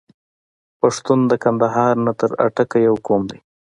پښتون د کندهار نه تر اټکه یو قوم دی.